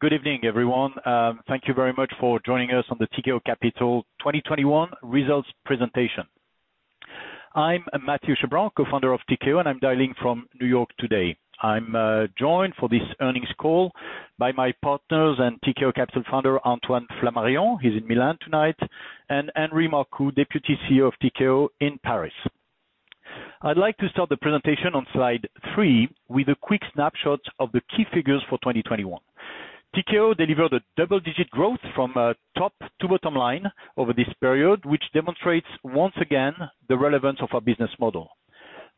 Good evening, everyone. Thank you very much for joining us on the Tikehau Capital 2021 results presentation. I'm Mathieu Chabran, Co-Founder of Tikehau, and I'm dialing from New York today. I'm joined for this earnings call by my partners and Tikehau Capital Founder, Antoine Flamarion, he's in Milan tonight, and Henri Marcoux, Deputy CEO of Tikehau in Paris. I'd like to start the presentation on slide three with a quick snapshot of the key figures for 2021. Tikehau delivered a double-digit growth from top to bottom line over this period, which demonstrates once again the relevance of our business model.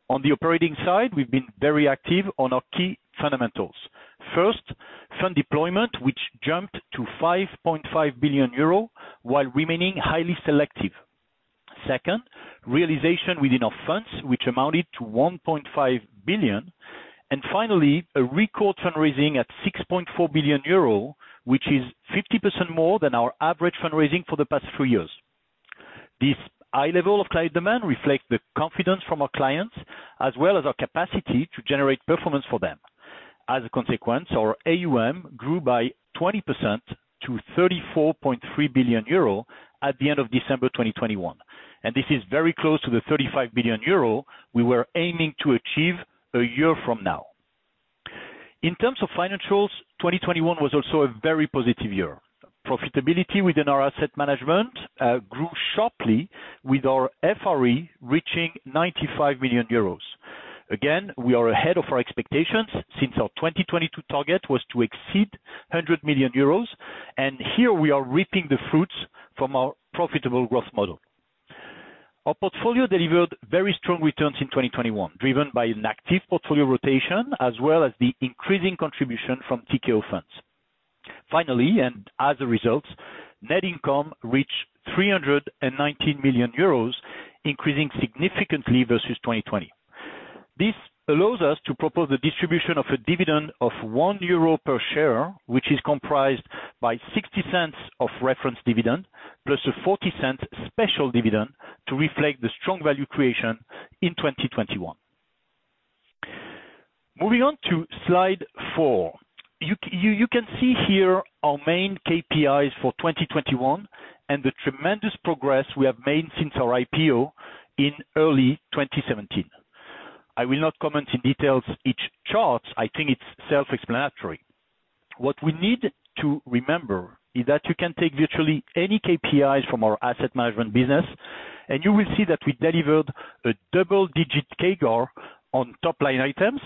On the operating side, we've been very active on our key fundamentals. First, fund deployment, which jumped to 5.5 billion euro while remaining highly selective. Second, realization within our funds, which amounted to 1.5 billion. Finally, a record fundraising at 6.4 billion euro, which is 50% more than our average fundraising for the past three years. This high level of client demand reflect the confidence from our clients, as well as our capacity to generate performance for them. As a consequence, our AUM grew by 20% to 34.3 billion euro at the end of December 2021, and this is very close to the 35 billion euro we were aiming to achieve a year from now. In terms of financials, 2021 was also a very positive year. Profitability within our asset management grew sharply with our FRE reaching 95 million euros. Again, we are ahead of our expectations since our 2022 target was to exceed 100 million euros, and here we are reaping the fruits from our profitable growth model. Our portfolio delivered very strong returns in 2021, driven by an active portfolio rotation, as well as the increasing contribution from Tikehau funds. Finally, and as a result, net income reached 319 million euros, increasing significantly versus 2020. This allows us to propose a distribution of a dividend of 1 euro per share, which is comprised by 0.60 of reference dividend, plus a 0.40 special dividend to reflect the strong value creation in 2021. Moving on to slide four. You can see here our main KPIs for 2021 and the tremendous progress we have made since our IPO in early 2017. I will not comment in details each chart. I think it's self-explanatory. What we need to remember is that you can take virtually any KPIs from our asset management business, and you will see that we delivered a double-digit CAGR on top line items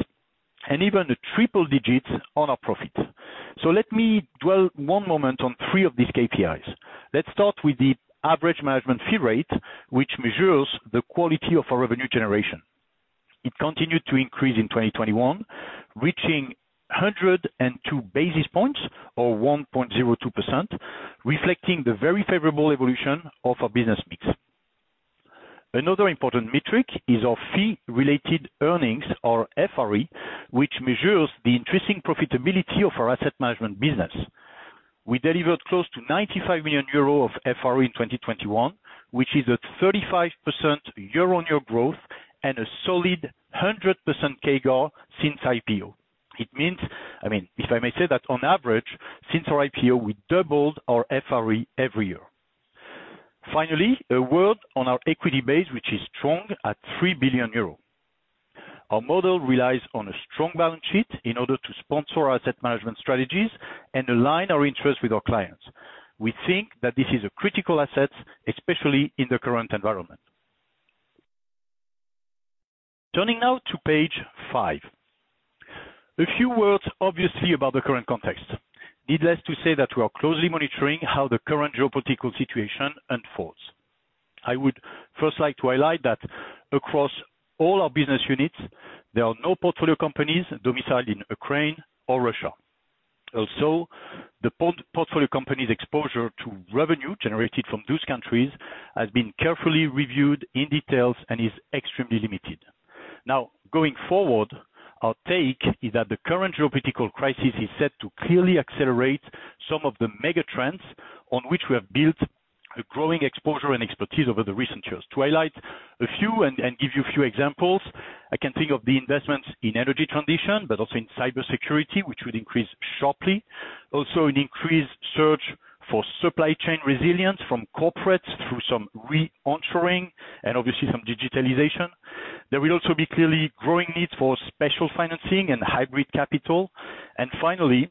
and even a triple digits on our profit. Let me dwell one moment on three of these KPIs. Let's start with the average management fee rate, which measures the quality of our revenue generation. It continued to increase in 2021, reaching 102 basis points or 1.02%, reflecting the very favorable evolution of our business mix. Another important metric is our fee-related earnings or FRE, which measures the increasing profitability of our asset management business. We delivered close to 95 million euro of FRE in 2021, which is a 35% year-over-year growth and a solid 100% CAGR since IPO. I mean, if I may say that on average, since our IPO, we doubled our FRE every year. Finally, a word on our equity base, which is strong at 3 billion euro. Our model relies on a strong balance sheet in order to sponsor our asset management strategies and align our interests with our clients. We think that this is a critical asset, especially in the current environment. Turning now to page five. A few words obviously about the current context. Needless to say that we are closely monitoring how the current geopolitical situation unfolds. I would first like to highlight that across all our business units, there are no portfolio companies domiciled in Ukraine or Russia. Also, the portfolio company's exposure to revenue generated from those countries has been carefully reviewed in detail and is extremely limited. Now, going forward, our take is that the current geopolitical crisis is set to clearly accelerate some of the mega trends on which we have built a growing exposure and expertise over the recent years. To highlight a few and give you a few examples, I can think of the investments in energy transition, but also in cybersecurity, which would increase sharply. Also an increased search for supply chain resilience from corporates through some re-onshoring and obviously some digitalization. There will also be clearly growing need for special financing and hybrid capital. Finally,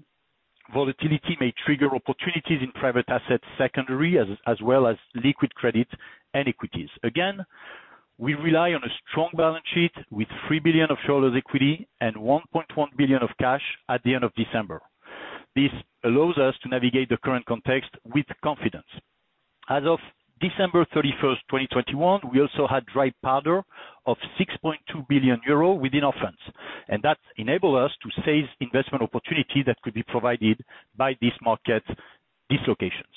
volatility may trigger opportunities in private assets secondary as well as liquid credit and equities. Again, we rely on a strong balance sheet with 3 billion of shareholders' equity and 1.1 billion of cash at the end of December. This allows us to navigate the current context with confidence. As of December 31st, 2021, we also had dry powder of 6.2 billion euro within our funds, and that enables us to seize investment opportunities that could be provided by these market dislocations.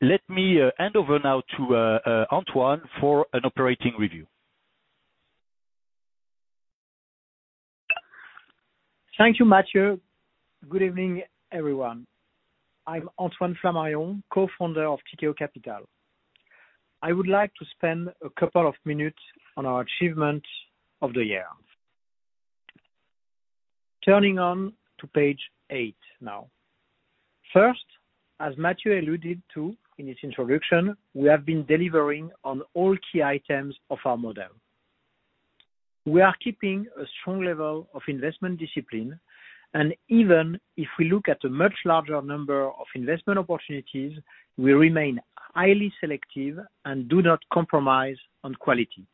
Let me hand over now to Antoine for an operating review. Thank you, Mathieu. Good evening, everyone. I'm Antoine Flamarion, Co-Founder of Tikehau Capital. I would like to spend a couple of minutes on our achievements of the year. Turning to page eight now. First, as Mathieu alluded to in his introduction, we have been delivering on all key items of our model. We are keeping a strong level of investment discipline, and even if we look at a much larger number of investment opportunities, we remain highly selective and do not compromise on quality.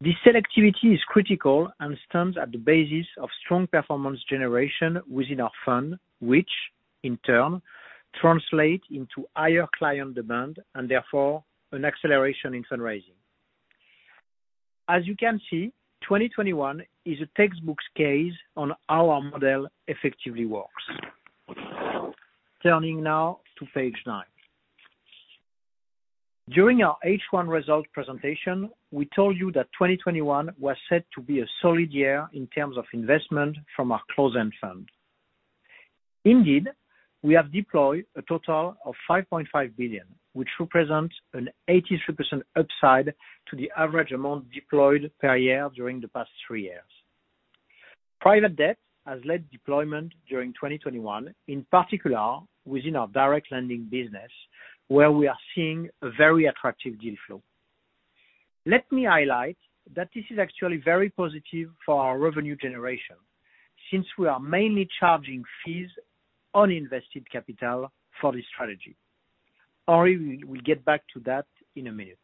This selectivity is critical and stands at the basis of strong performance generation within our fund, which in turn translate into higher client demand, and therefore an acceleration in fundraising. As you can see, 2021 is a textbook case on how our model effectively works. Turning now to page nine. During our H1 results presentation, we told you that 2021 was set to be a solid year in terms of investment from our closed-end fund. Indeed, we have deployed a total of 5.5 billion, which represents an 83% upside to the average amount deployed per year during the past three years. Private Debt has led deployment during 2021, in particular within our direct lending business, where we are seeing a very attractive deal flow. Let me highlight that this is actually very positive for our revenue generation, since we are mainly charging fees on invested capital for this strategy. Henri will get back to that in a minute.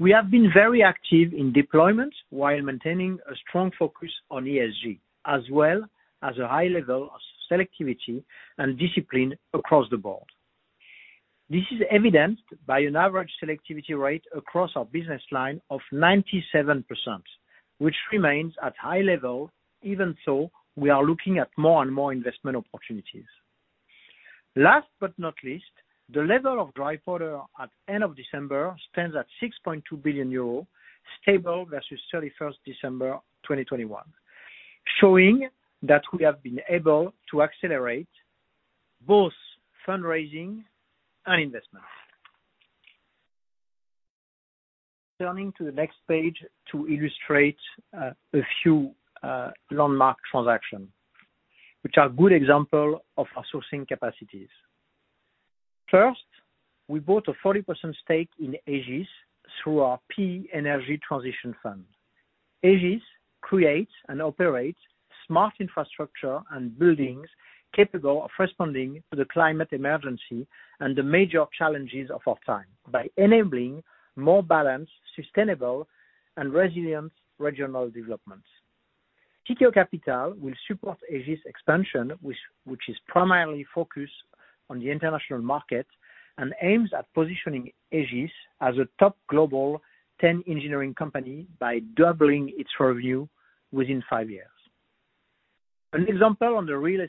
We have been very active in deployment while maintaining a strong focus on ESG, as well as a high level of selectivity and discipline across the board. This is evidenced by an average selectivity rate across our business line of 97%, which remains at high level even as we are looking at more and more investment opportunities. Last but not least, the level of dry powder at end of December stands at 6.2 billion euro, stable versus December 31st, 2021, showing that we have been able to accelerate both fundraising and investment. Turning to the next page to illustrate a few landmark transactions, which are good examples of our sourcing capacities. First, we bought a 40% stake in Egis through our T2 Energy Transition Fund. Egis creates and operates smart infrastructure and buildings capable of responding to the climate emergency and the major challenges of our time by enabling more balanced, sustainable, and resilient regional developments. Tikehau Capital will support Egis expansion, which is primarily focused on the international market and aims at positioning Egis as a top global 10 engineering company by doubling its revenue within five years. An example on the real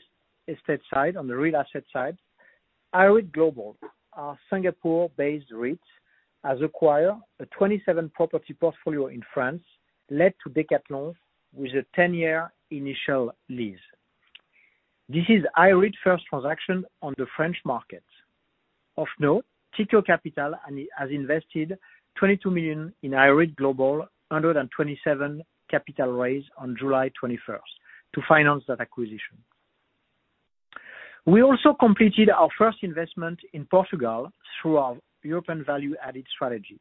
estate side, on the real asset side, IREIT Global, our Singapore-based REIT, has acquired a 27-property portfolio in France leased to Decathlon with a 10-year initial lease. This is IREIT's first transaction on the French market. Of note, Tikehau Capital has invested 22 million in IREIT Global's 127 million capital raise on July 21st to finance that acquisition. We also completed our first investment in Portugal through our European value-added strategy.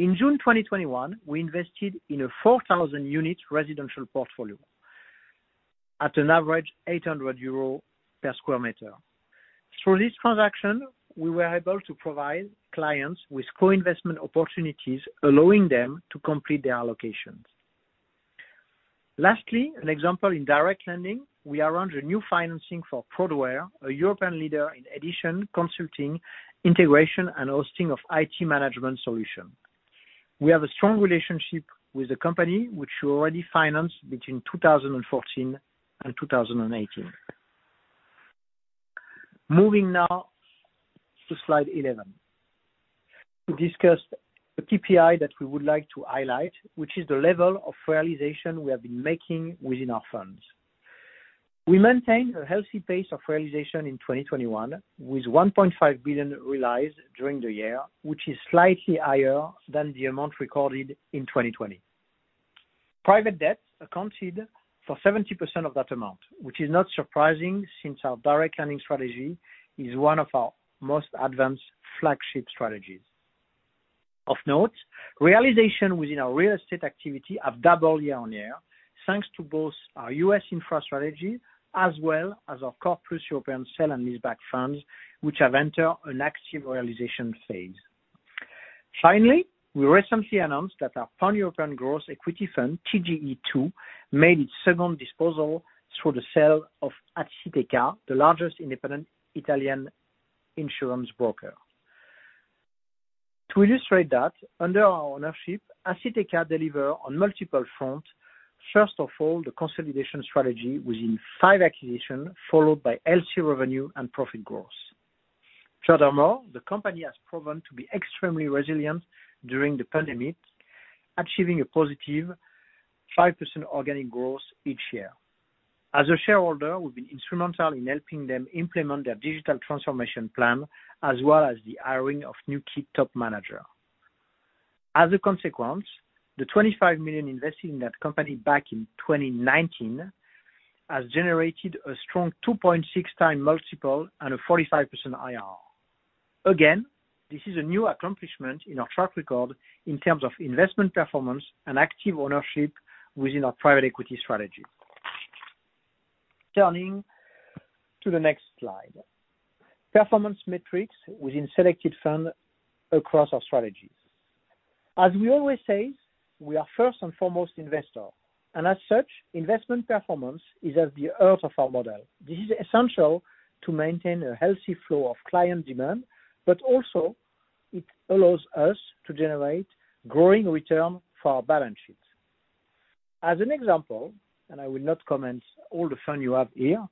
In June 2021, we invested in a 4,000-unit residential portfolio at an average 800 euro per sq m. Through this transaction, we were able to provide clients with co-investment opportunities, allowing them to complete their allocations. Lastly, an example in direct lending, we arranged a new financing for Prodware, a European leader in IT solutions, consulting, integration, and hosting of IT management solutions. We have a strong relationship with the company, which we already financed between 2014 and 2018. Moving now to slide 11 to discuss the KPI that we would like to highlight, which is the level of realization we have been making within our funds. We maintain a healthy pace of realization in 2021, with 1.5 billion realized during the year, which is slightly higher than the amount recorded in 2020. Private Debt accounted for 70% of that amount, which is not surprising since our direct lending strategy is one of our most advanced flagship strategies. Of note, realizations within our real estate activity have doubled year-on-year, thanks to both our U.S. Infra strategy as well as our Chorus European sale and leaseback funds, which have entered an active realization phase. Finally, we recently announced that our Pan-European Growth Equity Fund, TGE II, made its second disposal through the sale of Assiteca, the largest independent Italian insurance broker. To illustrate that, under our ownership, Assiteca deliver on multiple front. First of all, the consolidation strategy with five acquisitions, followed by LFL revenue and profit growth. Furthermore, the company has proven to be extremely resilient during the pandemic, achieving a positive 5% organic growth each year. As a shareholder, we've been instrumental in helping them implement their digital transformation plan, as well as the hiring of new key top manager. As a consequence, the 25 million invested in that company back in 2019 has generated a strong 2.6x multiple and a 45% IRR. Again, this is a new accomplishment in our track record in terms of investment performance and active ownership within our Private Equity strategy. Turning to the next slide. Performance metrics within selected fund across our strategies. We are first and foremost investor, and as such, investment performance is at the heart of our model. This is essential to maintain a healthy flow of client demand, but also it allows us to generate growing return for our balance sheets. As an example, I will not comment all the fund you have here,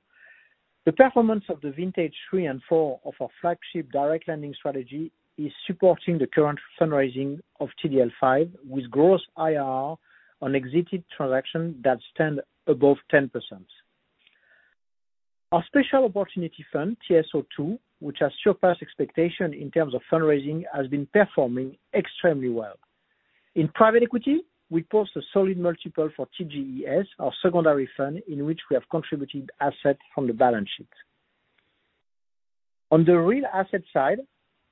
the performance of the vintage 3 and 4 of our flagship direct lending strategy is supporting the current fundraising of TDL V with gross IRR on exited transaction that stand above 10%. Our Special Opportunities fund, TSO II, which has surpassed expectation in terms of fundraising, has been performing extremely well. In private equity, we post a solid multiple for TGES, our secondary fund, in which we have contributed assets from the balance sheet. On the real asset side,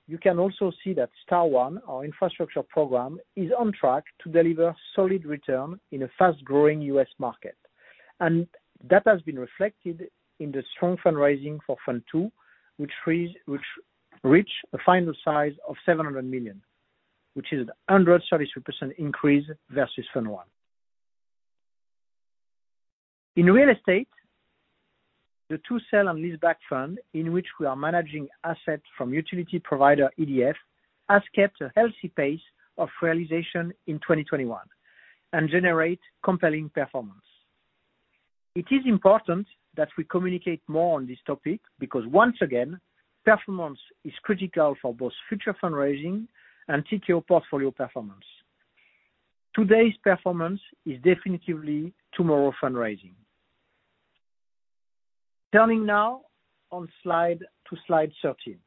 you can also see that STAR I, our infrastructure program, is on track to deliver solid return in a fast-growing U.S. market. That has been reflected in the strong fundraising for fund two, which reach a final size of 700 million, which is a 133% increase versus fund one. In real estate, the sale and leaseback fund, in which we are managing assets from utility provider EDF, has kept a healthy pace of realization in 2021 and generate compelling performance. It is important that we communicate more on this topic because once again, performance is critical for both future fundraising and Tikehau portfolio performance. Today's performance is definitely tomorrow fundraising. Turning now to slide 13.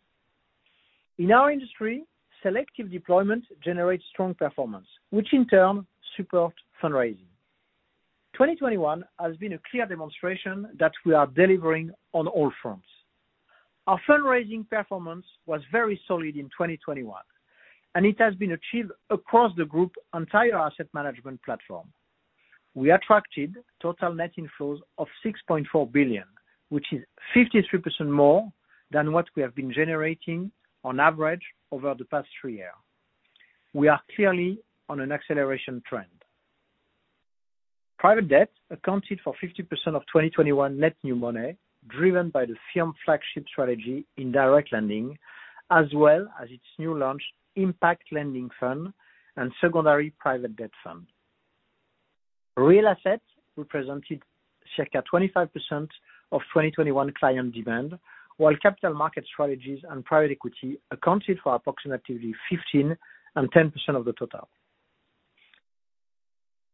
In our industry, selective deployment generates strong performance, which in turn support fundraising. 2021 has been a clear demonstration that we are delivering on all fronts. Our fundraising performance was very solid in 2021, and it has been achieved across the group's entire asset management platform. We attracted total net inflows of 6.4 billion, which is 53% more than what we have been generating on average over the past three years. We are clearly on an acceleration trend. Private Debt accounted for 50% of 2021 net new money, driven by the firm's flagship strategy in direct lending, as well as its new launch impact lending fund and secondary private debt fund. Real Assets represented circa 25% of 2021 client demand, while Capital Markets Strategies and Private Equity accounted for approximately 15% and 10% of the total.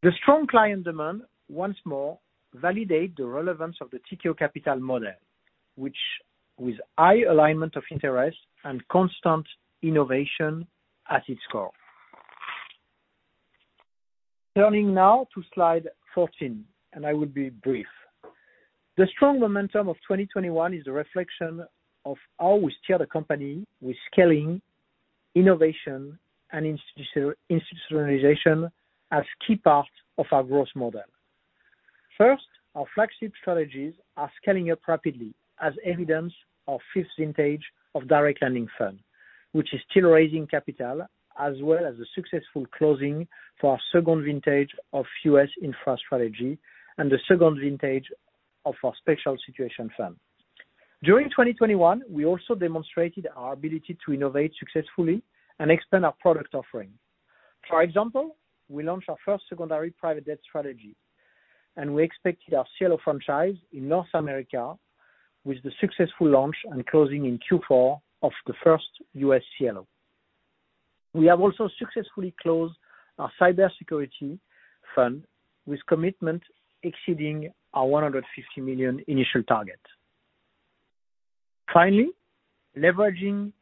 The strong client demand, once more, validate the relevance of the Tikehau Capital model, which with high alignment of interest and constant innovation at its core. Turning now to slide 14, and I will be brief. The strong momentum of 2021 is a reflection of how we steer the company with scaling, innovation, and institutionalization as key part of our growth model. First, our flagship strategies are scaling up rapidly as evidence of fifth vintage of direct lending fund, which is still raising capital, as well as the successful closing for our second vintage of U.S. Infra strategy and the second vintage of our Special Opportunities fund. During 2021, we also demonstrated our ability to innovate successfully and expand our product offering. For example, we launched our first secondary private debt strategy, and we expanded our CLO franchise in North America with the successful launch and closing in Q4 of the first U.S. CLO. We have also successfully closed our cybersecurity fund with commitment exceeding our 150 million initial target. Finally, leveraging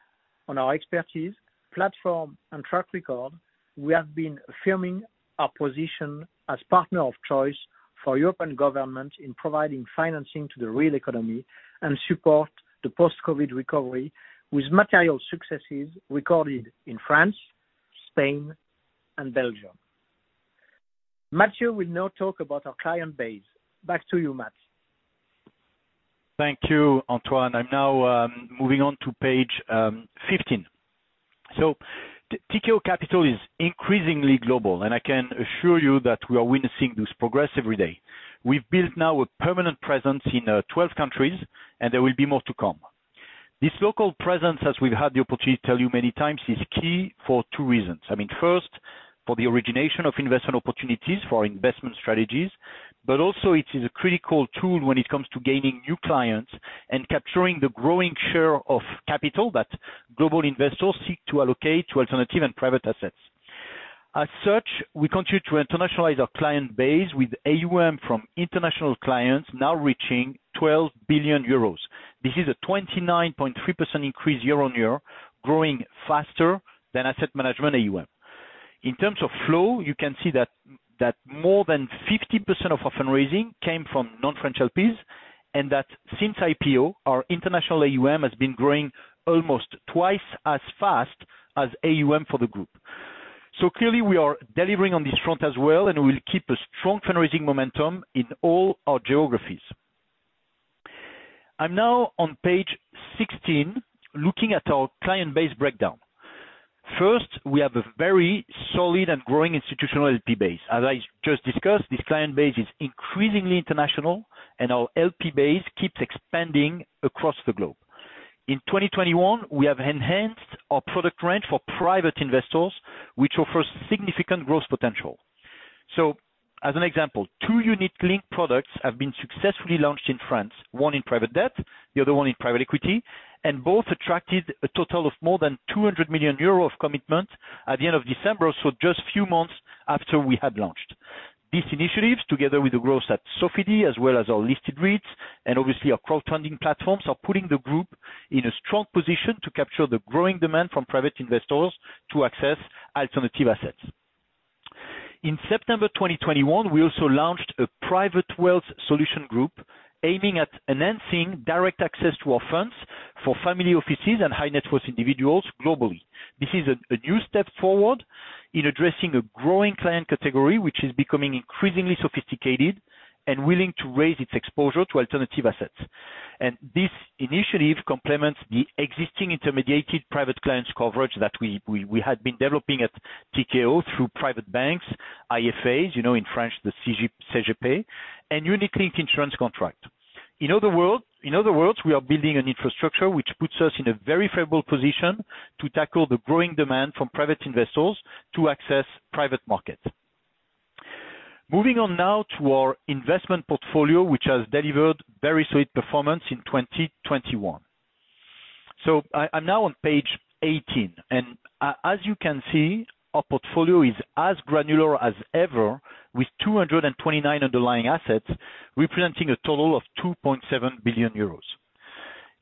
on our expertise, platform, and track record, we have been firming our position as partner of choice for European government in providing financing to the real economy and support the post-COVID recovery with material successes recorded in France, Spain, and Belgium. Mathieu will now talk about our client base. Back to you, Mathieu. Thank you, Antoine. I'm now moving on to page 15. Tikehau Capital is increasingly global, and I can assure you that we are witnessing this progress every day. We've built now a permanent presence in 12 countries, and there will be more to come. This local presence, as we've had the opportunity to tell you many times, is key for two reasons. I mean, first, for the origination of investment opportunities for our investment strategies, but also it is a critical tool when it comes to gaining new clients and capturing the growing share of capital that global investors seek to allocate to alternative and private assets. As such, we continue to internationalize our client base with AUM from international clients now reaching 12 billion euros. This is a 29.3% increase year-on-year, growing faster than asset management AUM. In terms of flow, you can see that more than 50% of our fundraising came from non-French LPs, and that since IPO, our international AUM has been growing almost twice as fast as AUM for the group. Clearly we are delivering on this front as well, and we will keep a strong fundraising momentum in all our geographies. I'm now on page 16, looking at our client base breakdown. First, we have a very solid and growing institutional LP base. As I just discussed, this client base is increasingly international, and our LP base keeps expanding across the globe. In 2021, we have enhanced our product range for private investors, which offers significant growth potential. As an example, two unit-linked products have been successfully launched in France, one in Private Debt, the other one in Private Equity, and both attracted a total of more than 200 million euros of commitment at the end of December, just a few months after we had launched. These initiatives, together with the growth at Sofidy as well as our listed REITs and obviously our crowdfunding platforms, are putting the group in a strong position to capture the growing demand from private investors to access alternative assets. In September 2021, we also launched a private wealth solution group aiming at enhancing direct access to our funds for family offices and high-net-worth individuals globally. This is a new step forward in addressing a growing client category, which is becoming increasingly sophisticated and willing to raise its exposure to alternative assets. This initiative complements the existing intermediated private clients coverage that we had been developing at Tikehau through private banks, IFAs, in French, the CGP, and unit-linked insurance contract. In other words, we are building an infrastructure which puts us in a very favorable position to tackle the growing demand from private investors to access private market. Moving on now to our investment portfolio, which has delivered very sweet performance in 2021. I'm now on page 18, and as you can see, our portfolio is as granular as ever with 229 underlying assets, representing a total of 2.7 billion euros.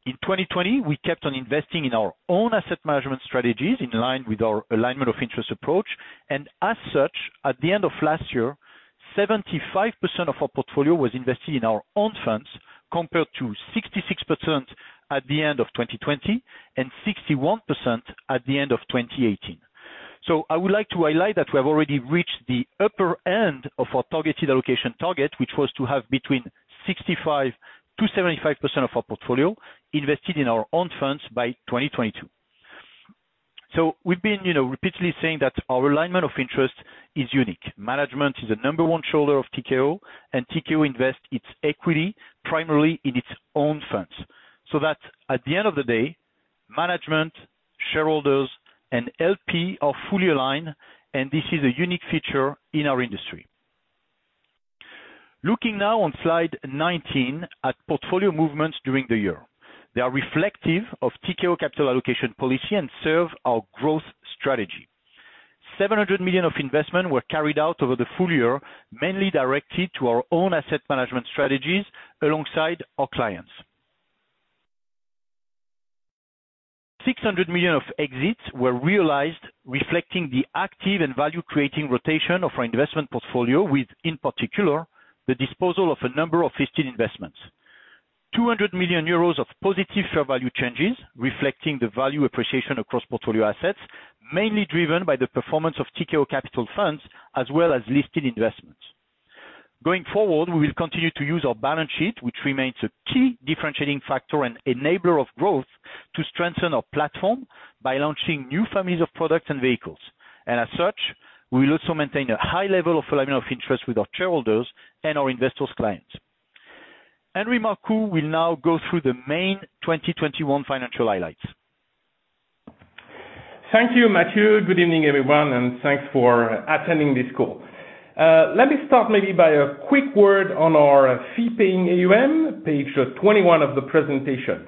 In 2020, we kept on investing in our own asset management strategies in line with our alignment of interest approach. As such, at the end of last year, 75% of our portfolio was invested in our own funds, compared to 66% at the end of 2020 and 61% at the end of 2018. I would like to highlight that we have already reached the upper end of our targeted allocation target, which was to have between 65%-75% of our portfolio invested in our own funds by 2022. We've been, you know, repeatedly saying that our alignment of interest is unique. Management is the number one shareholder of Tikehau, and Tikehau invests its equity primarily in its own funds. That at the end of the day, management, shareholders, and LP are fully aligned, and this is a unique feature in our industry. Looking now on slide 19 at portfolio movements during the year. They are reflective of Tikehau Capital allocation policy and serve our growth strategy. 700 million of investment were carried out over the full year, mainly directed to our own asset management strategies alongside our clients. 600 million of exits were realized, reflecting the active and value-creating rotation of our investment portfolio with, in particular, the disposal of a number of listed investments. 200 million euros of positive fair value changes reflecting the value appreciation across portfolio assets, mainly driven by the performance of Tikehau Capital funds as well as listed investments. Going forward, we will continue to use our balance sheet, which remains a key differentiating factor and enabler of growth, to strengthen our platform by launching new families of products and vehicles. As such, we will also maintain a high level of alignment of interest with our shareholders and our investors clients. Henri Marcoux will now go through the main 2021 financial highlights. Thank you, Mathieu. Good evening, everyone, and thanks for attending this call. Let me start maybe by a quick word on our fee-paying AUM, page 21 of the presentation.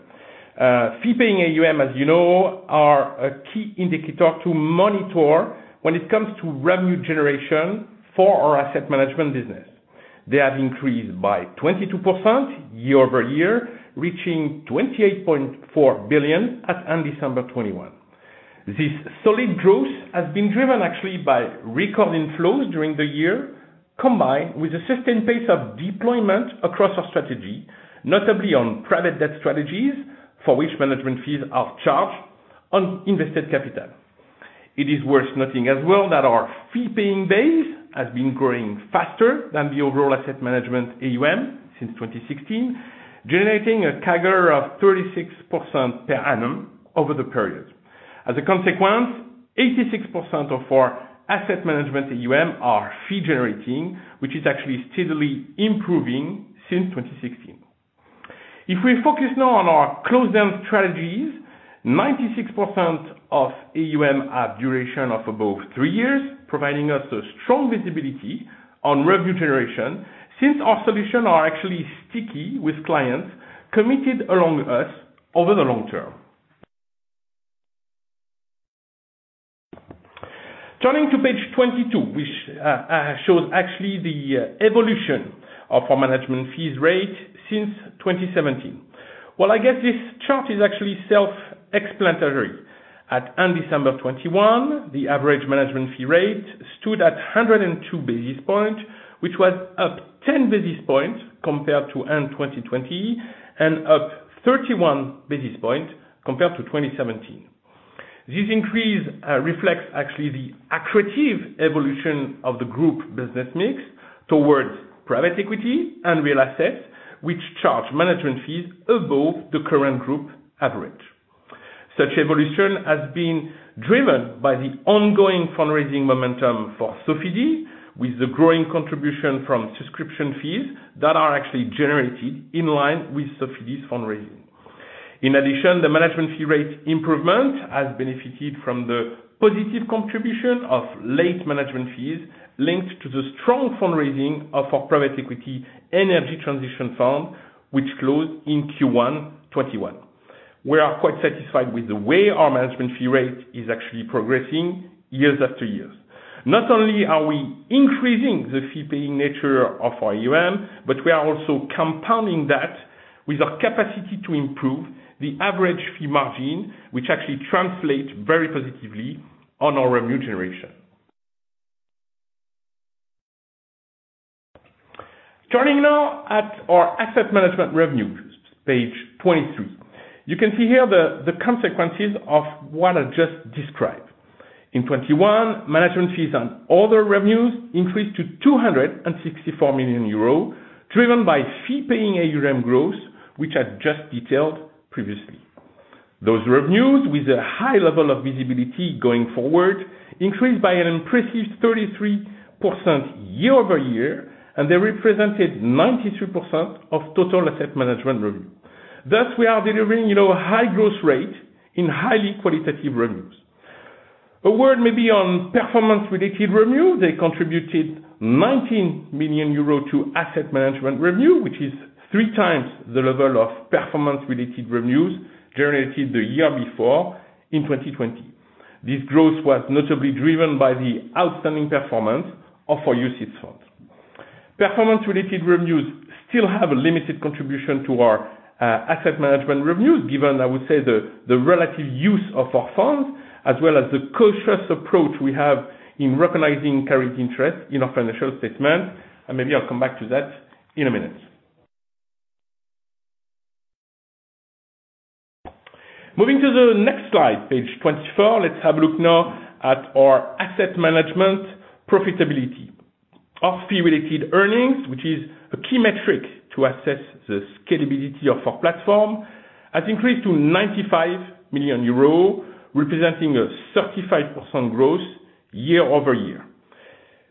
Fee-paying AUM, as you know, are a key indicator to monitor when it comes to revenue generation for our asset management business. They have increased by 22% year-over-year, reaching 28.4 billion at end December 2021. This solid growth has been driven actually by recording flows during the year, combined with a sustained pace of deployment across our strategy, notably on private debt strategies for which management fees are charged on invested capital. It is worth noting as well that our fee-paying base has been growing faster than the overall asset management AUM since 2016, generating a CAGR of 36% per annum over the period. As a consequence, 86% of our asset management AUM are fee generating, which is actually steadily improving since 2016. If we focus now on our closed-end strategies, 96% of AUM have duration of above three years, providing us a strong visibility on revenue generation since our solutions are actually sticky with clients committed along us over the long term. Turning to page 22, which shows actually the evolution of our management fees rate since 2017. Well, I guess this chart is actually self-explanatory. At end December 2021, the average management fee rate stood at 102 basis points, which was up 10 basis points compared to end of 2020 and up 31 basis points compared to 2017. This increase reflects actually the accretive evolution of the group business mix towards Private Equity and Real Assets, which charge management fees above the current group average. Such evolution has been driven by the ongoing fundraising momentum for Sofidy, with the growing contribution from subscription fees that are actually generated in line with Sofidy's fundraising. In addition, the management fee rate improvement has benefited from the positive contribution of late management fees linked to the strong fundraising of our private equity energy transition fund, which closed in Q1 2021. We are quite satisfied with the way our management fee rate is actually progressing years after years. Not only are we increasing the fee-paying nature of our AUM, but we are also compounding that with our capacity to improve the average fee margin, which actually translates very positively on our revenue generation. Turning now to our asset management revenue, page 22. You can see here the consequences of what I just described. In 2021, management fees and other revenues increased to 264 million euros, driven by fee-paying AUM growth, which I just detailed previously. Those revenues, with a high level of visibility going forward, increased by an impressive 33% year-over-year, and they represented 93% of total asset management revenue. Thus, we are delivering, you know, a high gross rate in highly qualitative revenues. A word maybe on performance-related revenue. They contributed 19 million euros to asset management revenue, which is three times the level of performance-related revenues generated the year before in 2020. This growth was notably driven by the outstanding performance of our UCITS funds. Performance-related revenues still have a limited contribution to our asset management revenues, given, I would say, the relative use of our funds, as well as the cautious approach we have in recognizing carried interest in our financial statement. Maybe I'll come back to that in a minute. Moving to the next slide, page 24. Let's have a look now at our asset management profitability. Our fee-related earnings, which is a key metric to assess the scalability of our platform, has increased to 95 million euros, representing a 35% growth year-over-year.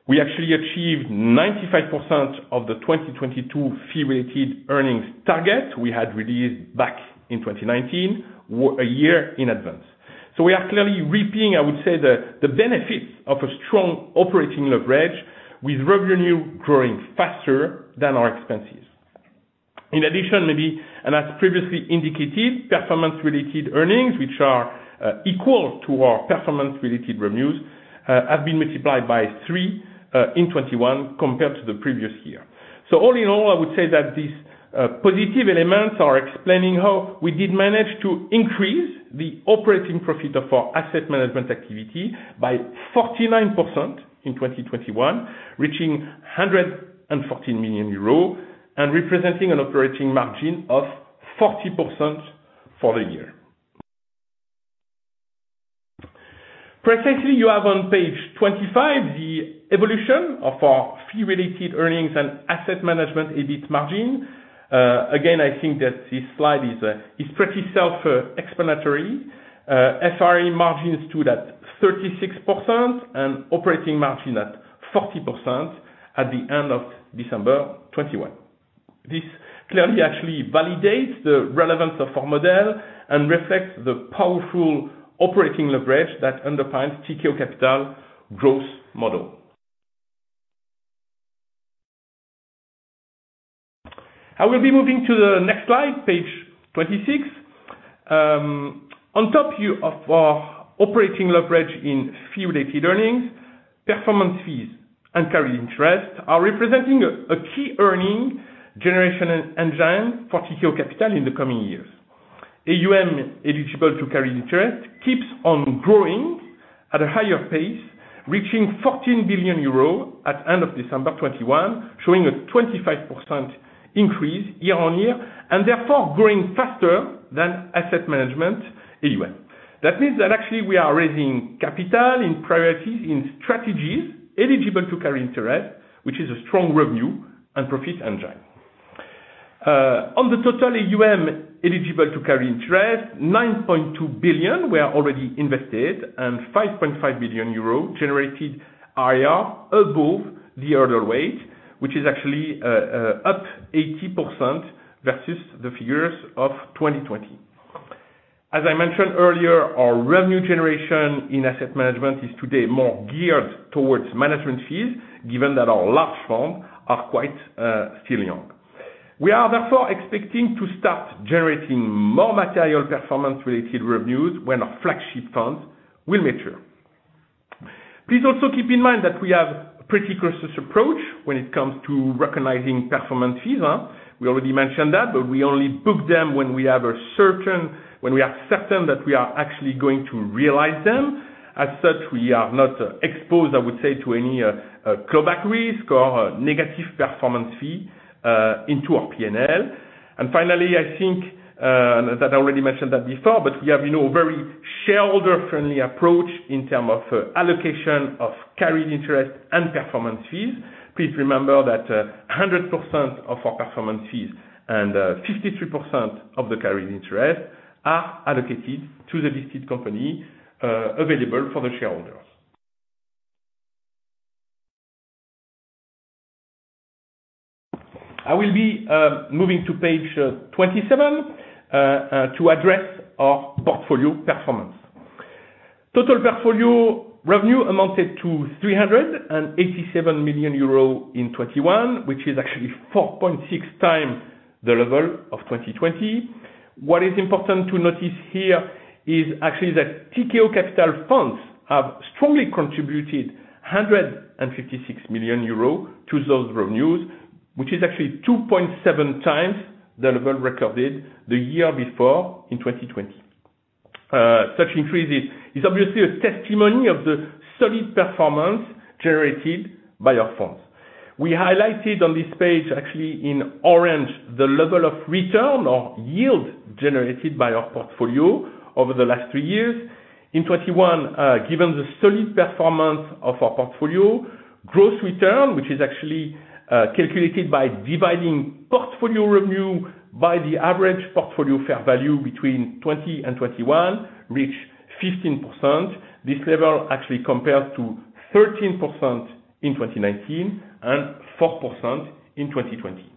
We actually achieved 95% of the 2022 fee-related earnings target we had released back in 2019, a year in advance. We are clearly reaping, I would say, the benefits of a strong operating leverage, with revenue growing faster than our expenses. In addition, maybe, and as previously indicated, performance-related earnings, which are, equal to our performance-related revenues, have been multiplied by three in 2021 compared to the previous year. All in all, I would say that these positive elements are explaining how we did manage to increase the operating profit of our asset management activity by 49% in 2021, reaching 114 million euros and representing an operating margin of 40% for the year. Precisely, you have on page 25 the evolution of our fee-related earnings and asset management EBIT margin. Again, I think that this slide is pretty self-explanatory. FRE margins stood at 36% and operating margin at 40% at the end of December 2021. This clearly actually validates the relevance of our model and reflects the powerful operating leverage that underpins Tikehau Capital growth model. I will be moving to the next slide, page 26. On top of our operating leverage in fee-related earnings, performance fees and carried interest are representing a key earning generation engine for Tikehau Capital in the coming years. AUM eligible to carry interest keeps on growing at a higher pace, reaching 14 billion euros at end of December 2021, showing a 25% increase year-on-year, and therefore growing faster than asset management AUM. That means that actually we are raising capital in priorities, in strategies eligible to carry interest, which is a strong revenue and profit engine. On the total AUM eligible to carried interest, 9.2 billion were already invested and 5.5 billion euro generated IRR above the hurdle rate, which is actually up 80% versus the figures of 2020. As I mentioned earlier, our revenue generation in asset management is today more geared towards management fees, given that our large funds are quite still young. We are therefore expecting to start generating more material performance-related revenues when our flagship funds will mature. Please also keep in mind that we have a pretty cautious approach when it comes to recognizing performance fees. We already mentioned that, but we only book them when we are certain that we are actually going to realize them. As such, we are not exposed, I would say, to any clawback risk or negative performance fee into our P&L. Finally, I think that I already mentioned that before, but we have, you know, a very shareholder-friendly approach in term of allocation of carried interest and performance fees. Please remember that 100% of our performance fees and 53% of the carried interest are allocated to the listed company, available for the shareholders. I will be moving to page 27 to address our portfolio performance. Total portfolio revenue amounted to 387 million euros in 2021, which is actually 4.6x the level of 2020. What is important to notice here is actually that Tikehau Capital funds have strongly contributed 156 million euros to those revenues, which is actually 2.7x the level recorded the year before in 2020. Such increases is obviously a testimony of the solid performance generated by our funds. We highlighted on this page, actually in orange, the level of return or yield generated by our portfolio over the last three years. In 2021, given the solid performance of our portfolio, gross return, which is actually calculated by dividing portfolio revenue by the average portfolio fair value between 2020 and 2021, reached 15%. This level actually compares to 13% in 2019 and 4% in 2020.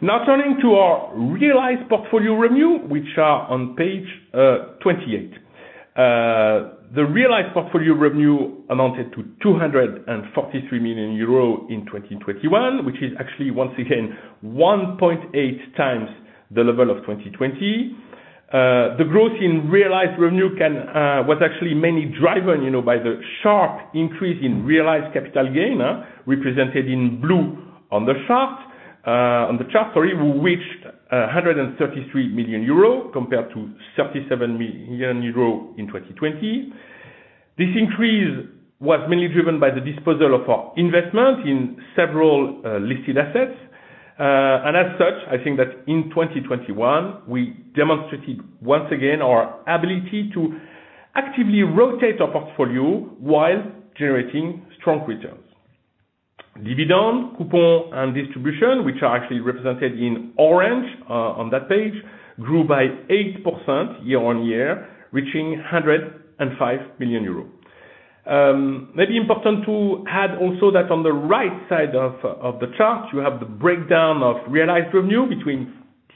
Now turning to our realized portfolio revenue, which are on page 28. The realized portfolio revenue amounted to 243 million euro in 2021, which is actually, once again, 1.8x the level of 2020. The growth in realized revenue was actually mainly driven, you know, by the sharp increase in realized capital gain, represented in blue on the chart. We reached 133 million euro compared to 37 million euro in 2020. This increase was mainly driven by the disposal of our investment in several listed assets. As such, I think that in 2021, we demonstrated once again our ability to actively rotate our portfolio while generating strong returns. Dividend, coupon, and distribution, which are actually represented in orange on that page, grew by 8% year-on-year, reaching 105 million euros. Maybe important to add also that on the right side of the chart, you have the breakdown of realized revenue between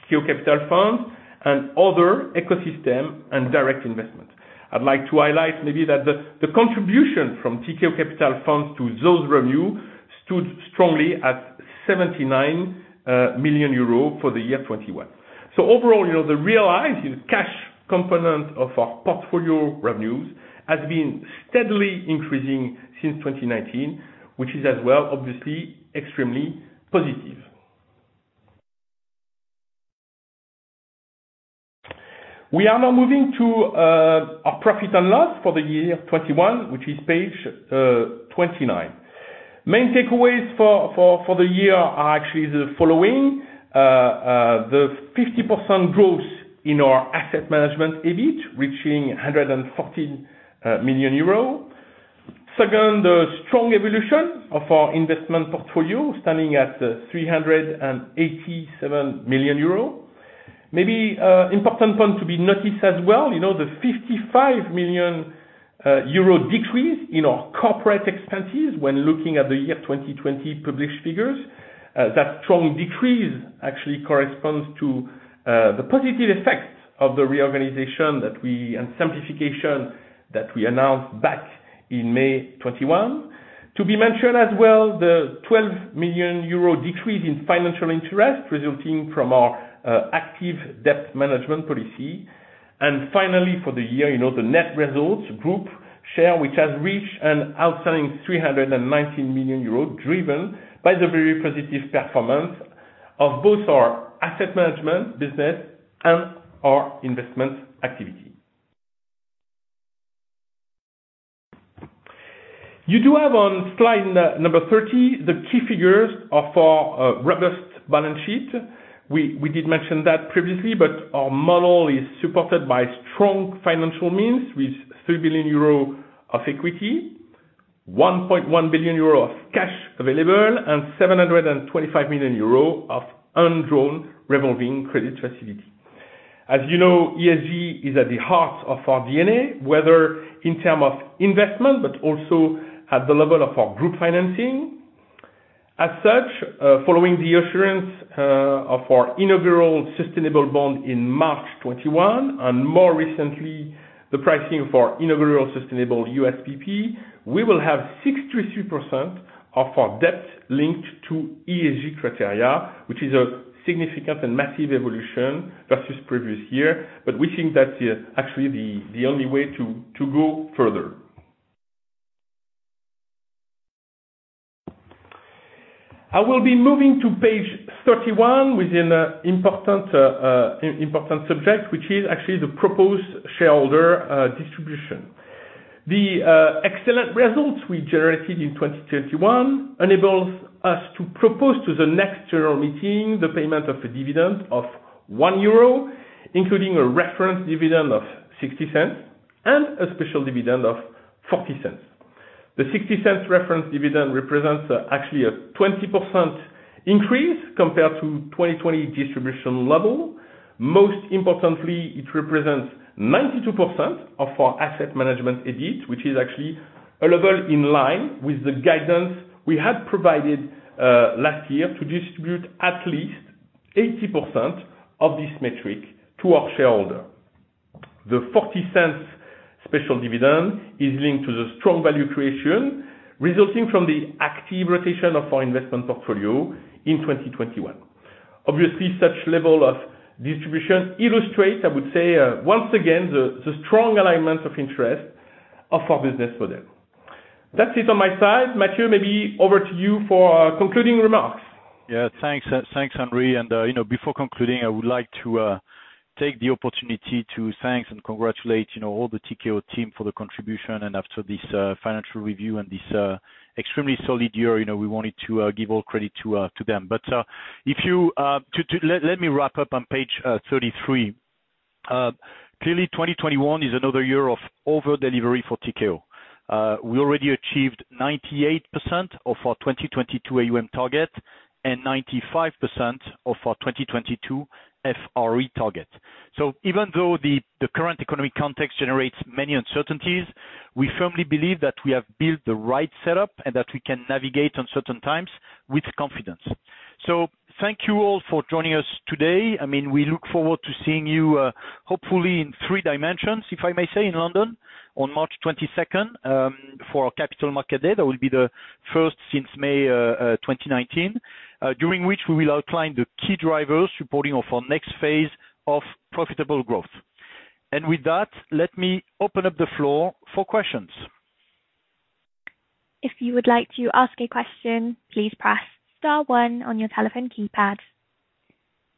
Tikehau Capital funds and other ecosystem and direct investment. I'd like to highlight maybe that the contribution from Tikehau Capital funds to those revenue stood strongly at 79 million euro for the year 2021. Overall, the realized in cash component of our portfolio revenues has been steadily increasing since 2019, which is as well, obviously, extremely positive. We are now moving to our profit and loss for the year 2021, which is page 29. Main takeaways for the year are actually the following. The 50% growth in our asset management EBIT reaching 114 million euros. Second, the strong evolution of our investment portfolio standing at 387 million euros. Maybe important one to be noticed as well, you know, the 55 million euro decrease in our corporate expenses when looking at the year 2020 published figures. That strong decrease actually corresponds to the positive effects of the reorganization and simplification that we announced back in May 2021. To be mentioned as well, the 12 million euro decrease in financial interest resulting from our active debt management policy. Finally, for the year, you know, the net results, group share, which has reached an outstanding 319 million euro, driven by the very positive performance of both our asset management business and our investment activity. You do have on slide number 30 the key figures of our robust balance sheet. We did mention that previously, but our model is supported by strong financial means with 3 billion euro of equity, 1.1 billion euro of cash available, and 725 million euro of undrawn revolving credit facility. As you know, ESG is at the heart of our DNA, whether in term of investment, but also at the level of our group financing. As such, following the issuance of our inaugural sustainable bond in March 2021, and more recently, the pricing for inaugural sustainable USPP, we will have 63% of our debt linked to ESG criteria, which is a significant and massive evolution versus previous year. We think that's the only way to go further. I will be moving to page 31 within an important subject, which is actually the proposed shareholder distribution. The excellent results we generated in 2021 enables us to propose to the next general meeting the payment of a dividend of 1 euro, including a reference dividend of 0.60 and a special dividend of 0.40. The 0.60 Reference dividend represents actually a 20% increase compared to 2020 distribution level. Most importantly, it represents 92% of our asset management AUM, which is actually a level in line with the guidance we had provided last year to distribute at least 80% of this metric to our shareholder. The 0.40 special dividend is linked to the strong value creation resulting from the active rotation of our investment portfolio in 2021. Obviously, such level of distribution illustrates, I would say, once again, the strong alignment of interest of our business model. That's it on my side. Mathieu, maybe over to you for concluding remarks. Yeah, thanks. Thanks, Henri. You know, before concluding, I would like to take the opportunity to thank and congratulate all the Tikehau team for the contribution. After this financial review and this extremely solid year, we wanted to give all credit to them. Let me wrap up on page 33. Clearly, 2021 is another year of over delivery for Tikehau. We already achieved 98% of our 2022 AUM target and 95% of our 2022 FRE target. Even though the current economic context generates many uncertainties, we firmly believe that we have built the right setup and that we can navigate uncertain times with confidence. Thank you all for joining us today. I mean, we look forward to seeing you hopefully in three dimensions, if I may say, in London on March 22nd for our Capital Markets Day. That will be the first since May 2019. During which we will outline the key drivers reporting of our next phase of profitable growth. With that, let me open up the floor for questions. If you would like to ask a question, please press star one on your telephone keypad.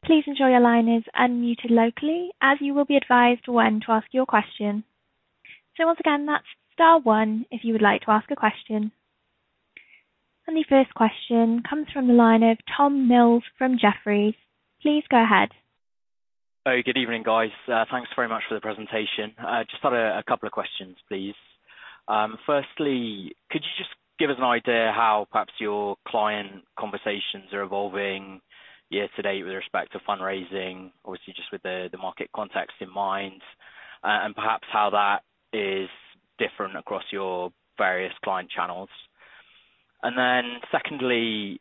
Please ensure your line is unmuted locally as you will be advised when to ask your question. Once again, that's star one if you would like to ask a question. The first question comes from the line of Tom Mills from Jefferies. Please go ahead. Oh, good evening, guys. Thanks very much for the presentation. Just had a couple of questions, please. Firstly, could you just give us an idea how perhaps your client conversations are evolving year to date with respect to fundraising? Obviously, just with the market context in mind. Perhaps how that is different across your various client channels. Then secondly,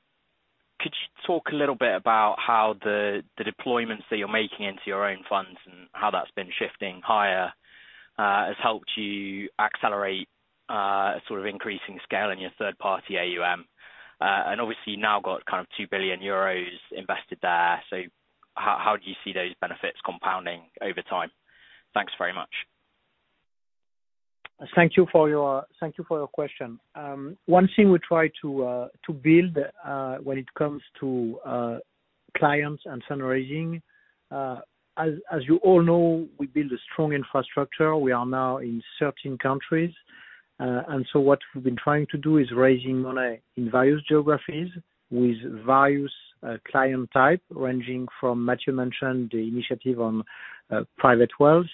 could you talk a little bit about how the deployments that you're making into your own funds and how that's been shifting higher has helped you accelerate sort of increasing scale in your third party AUM? And obviously you now got kind of 2 billion euros invested there. How do you see those benefits compounding over time? Thanks very much. Thank you for your question. One thing we try to build when it comes to clients and fundraising, as you all know, we build a strong infrastructure. We are now in certain countries. What we've been trying to do is raising money in various geographies with various client type, ranging from Mathieu mentioned the initiative on private wealth.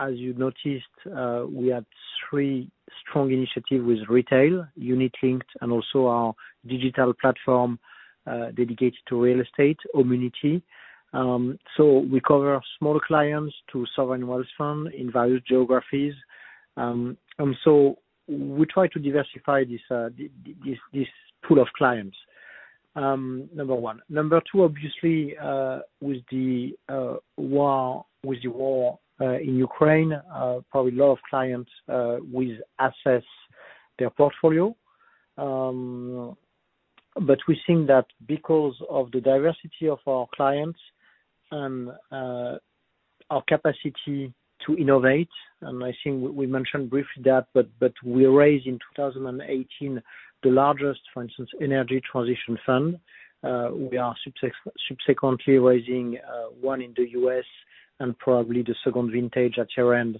As you noticed, we have three strong initiative with retail, unit-linked, and also our digital platform dedicated to real estate community. We cover small clients to sovereign wealth fund in various geographies. We try to diversify this pool of clients, number one. Number two, obviously, with the war in Ukraine, probably a lot of clients will assess their portfolio. We think that because of the diversity of our clients and our capacity to innovate, and I think we mentioned briefly that, we raised in 2018 the largest, for instance, energy transition fund. We are subsequently raising one in the U.S. and probably the second vintage at year-end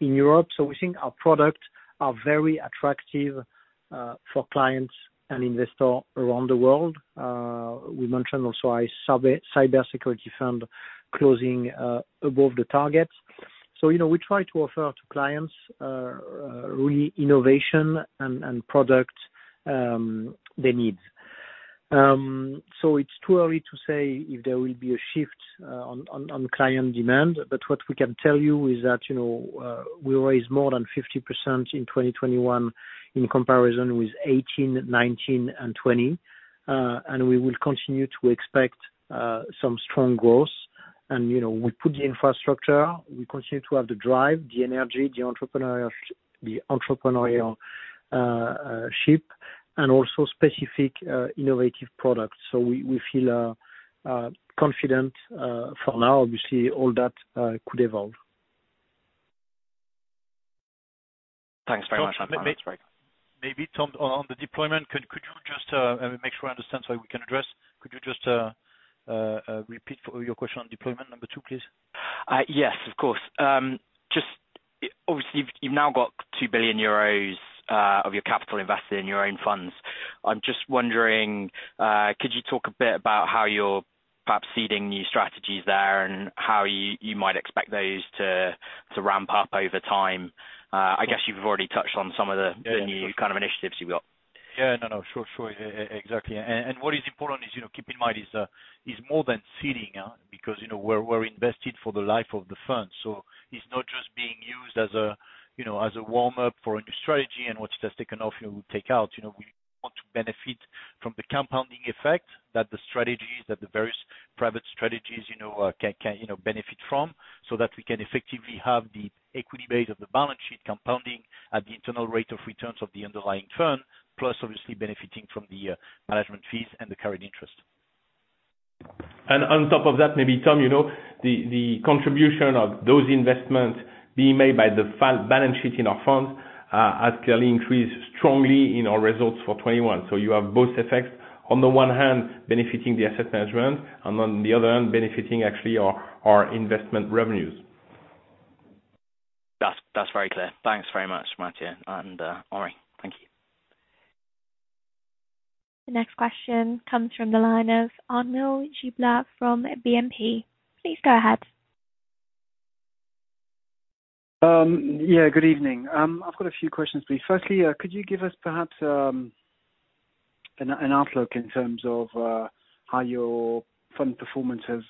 in Europe. We think our products are very attractive for clients and investors around the world. We mentioned also our cybersecurity fund closing above the target. We try to offer to clients really innovation and products they need. It's too early to say if there will be a shift on client demand. What we can tell you is that, you know, we raised more than 50% in 2021 in comparison with 2018, 2019, and 2020. We will continue to expect some strong growth. You know, we put the infrastructure, we continue to have the drive, the energy, the entrepreneurship, and also specific innovative products. We feel confident for now. Obviously, all that could evolve. Thanks very much. Maybe Tom, on the deployment, could you just repeat your question on deployment number two, please? Yes, of course. Just obviously you've now got 2 billion euros of your capital invested in your own funds. I'm just wondering, could you talk a bit about how you're perhaps seeding new strategies there and how you might expect those to ramp up over time? I guess you've already touched on some of the new kind of initiatives you've got. Yeah. No. Sure. Exactly. What is important is, keep in mind is more than seeding, because we're invested for the life of the fund. It's not just being used as a warm up for a new strategy and what's just taken off, we'll take out. We want to benefit from the compounding effect that the various private strategies can benefit from, so that we can effectively have the equity base of the balance sheet compounding at the internal rate of returns of the underlying fund, plus obviously benefiting from the management fees and the carried interest. On top of that, maybe Tom, the contribution of those investments being made by the balance sheet in our funds has clearly increased strongly in our results for 2021. You have both effects, on the one hand benefiting the asset management, and on the other hand benefiting actually our investment revenues. That's very clear. Thanks very much, Mathieu and Henri. Thank you. The next question comes from the line of Arnaud Giblat from Exane BNP Paribas. Please go ahead. Yeah, good evening. I've got a few questions, please. Firstly, could you give us perhaps an outlook in terms of how your fund performance has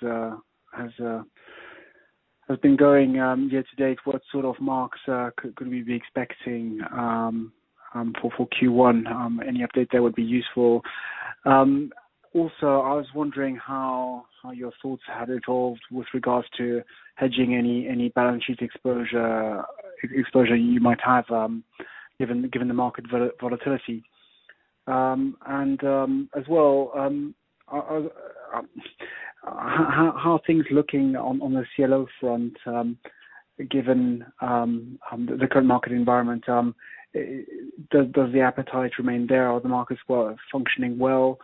been going year to date? What sort of marks could we be expecting for Q1? Any update there would be useful. Also, I was wondering how your thoughts had evolved with regards to hedging any balance sheet exposure you might have given the market volatility. As well, how are things looking on the CLO front given the current market environment? Does the appetite remain there? Are the markets functioning well?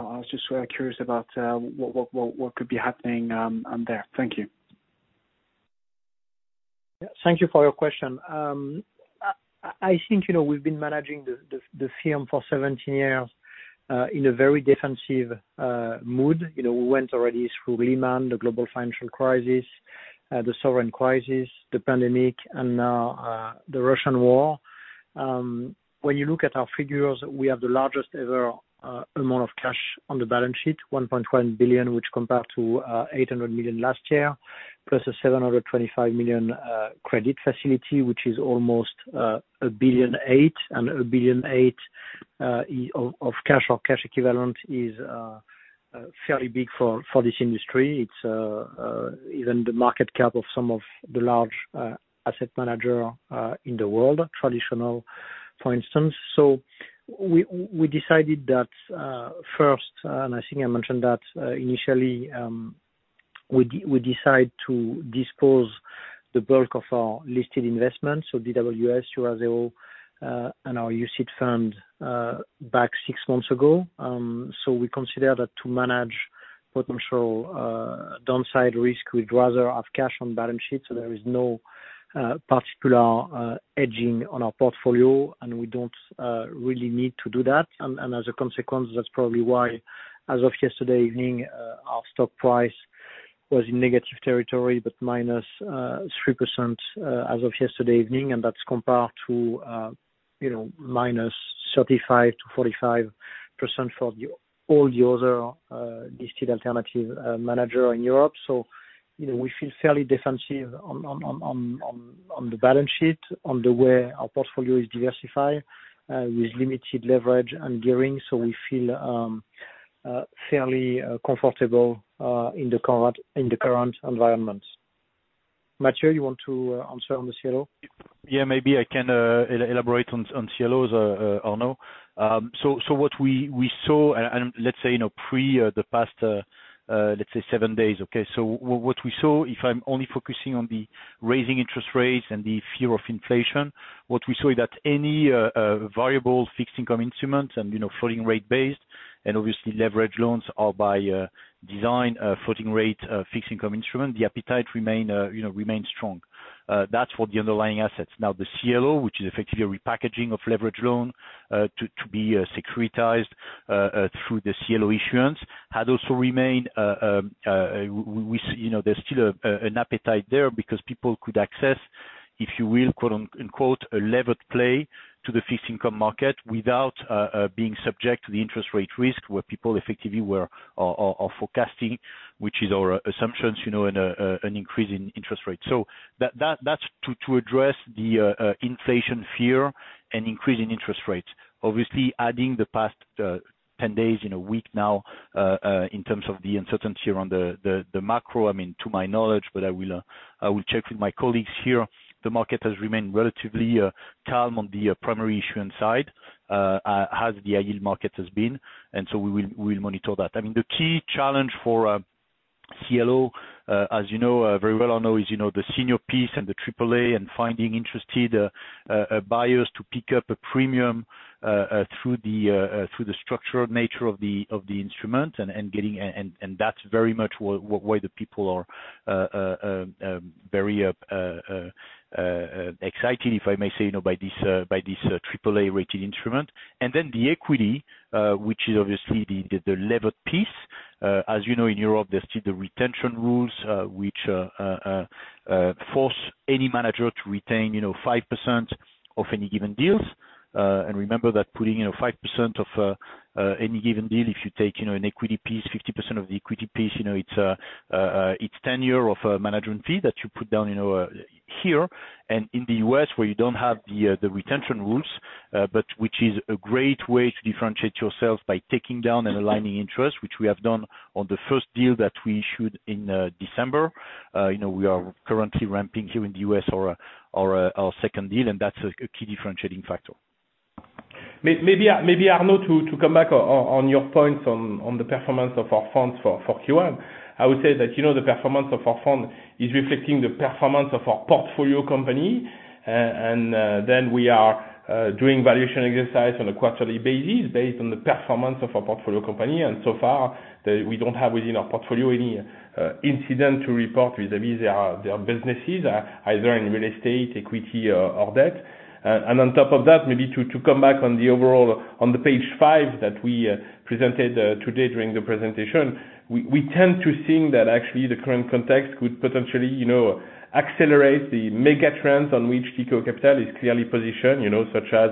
I was just sort of curious about what could be happening there. Thank you. Yeah. Thank you for your question. I think, we've been managing the firm for 17 years in a very defensive mood. We went already through Lehman, the global financial crisis, the sovereign crisis, the pandemic, and now, the Russian War. When you look at our figures, we have the largest ever amount of cash on the balance sheet, 1.1 billion, which compared to 800 million last year, plus a 725 million credit facility, which is almost a 1.8 billion, and 1.8 billion of cash or cash equivalent is fairly big for this industry. It's even the market cap of some of the large asset manager in the world, traditional, for instance. We decided that first, and I think I mentioned that initially we decided to dispose the bulk of our listed investments, so DWS, Eurazeo, and our UCITS fund back six months ago. We consider that to manage potential downside risk, we'd rather have cash on balance sheet. There is no particular hedging on our portfolio, and we don't really need to do that. As a consequence, that's probably why as of yesterday evening our stock price was in negative territory, but -3% as of yesterday evening. That's compared to -35%, -45% for all the other listed alternative manager in Europe. We feel fairly defensive on the balance sheet, on the way our portfolio is diversified, with limited leverage and gearing. We feel fairly comfortable in the current environment. Mathieu, you want to answer on the CLO? Yeah, maybe I can elaborate on CLOs, Arnaud. What we saw, and let's say, over the past seven days, okay. What we saw, if I'm only focusing on the rising interest rates and the fear of inflation, is that any variable fixed income instruments and floating rate based, and obviously leveraged loans are by design a floating rate fixed income instrument, the appetite remains strong. That's for the underlying assets. Now, the CLO, which is effectively a repackaging of leveraged loan to be securitized through the CLO issuance, had also remained. There's still an appetite there because people could access, if you will, quote, unquote, a levered play to the fixed income market without being subject to the interest rate risk where people effectively are forecasting, which is our assumptions, and an increase in interest rates. That's to address the inflation fear and increasing interest rates. Obviously, adding the past 10 days in a week now, in terms of the uncertainty around the macro, I mean, to my knowledge, but I will check with my colleagues here. The market has remained relatively calm on the primary issuance side, as the yield market has been. We will monitor that. I mean, the key challenge for CLO, as you know very well is the senior piece and the AAA and finding interested buyers to pick up a premium through the structural nature of the instrument, and that's very much why the people are very excited, if I may say, by this triple A-rated instrument. Then the equity, which is obviously the levered piece. As you know, in Europe, there's still the retention rules, which force any manager to retain 5% of any given deals. Remember that putting 5% of any given deal, if you take an equity piece, 50% of the equity piece, it's 10 years of a management fee that you put down here. In the U.S., where you don't have the retention rules, but which is a great way to differentiate yourself by taking down and aligning interest, which we have done on the first deal that we issued in December. We are currently ramping here in the U.S. our second deal, and that's a key differentiating factor. Maybe, Arnaud, to come back on your points on the performance of our funds for Q1. I would say that the performance of our fund is reflecting the performance of our portfolio company. Then we are doing valuation exercise on a quarterly basis based on the performance of our portfolio company. So far, we don't have within our portfolio any incident to report vis-a-vis their businesses, either in real estate, equity, or debt. On top of that, maybe to come back on the overall on page five that we presented today during the presentation. We tend to think that actually the current context could potentially accelerate the mega trends on which Tikehau Capital is clearly positioned such as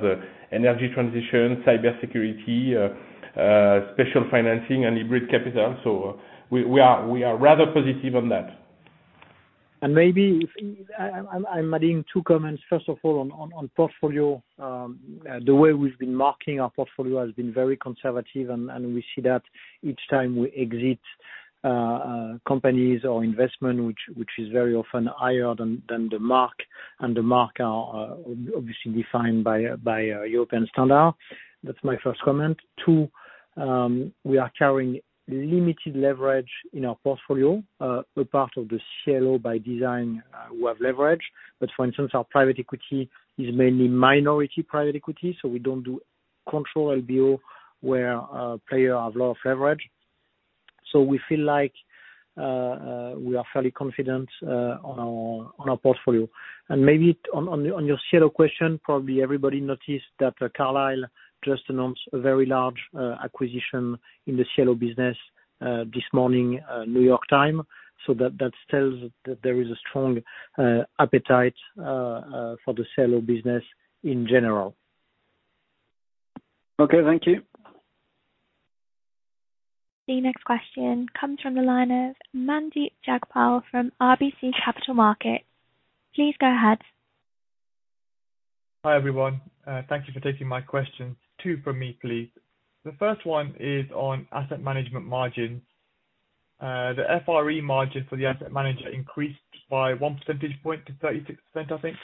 energy transition, cybersecurity, special financing and hybrid capital. We are rather positive on that. I'm adding two comments, first of all, on portfolio. The way we've been marking our portfolio has been very conservative, and we see that each time we exit companies or investment, which is very often higher than the mark, and the mark are obviously defined by European standard. That's my first comment. Two, we are carrying limited leverage in our portfolio. Apart from the CLO by design, we have leverage. But for instance, our Private Equity is mainly minority private equity, so we don't do control LBO where a player have a lot of leverage. We feel like we are fairly confident on our portfolio. Maybe on your CLO question, probably everybody noticed that Carlyle just announced a very large acquisition in the CLO business this morning, New York time. That tells that there is a strong appetite for the CLO business in general. Okay, thank you. The next question comes from the line of Mandeep Jagpal from RBC Capital Markets. Please go ahead. Hi, everyone. Thank you for taking my questions. Two from me, please. The first one is on asset management margins. The FRE margin for the asset manager increased by 1 percentage point to 36%, I think.